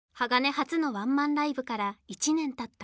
初のワンマンライブから１年たった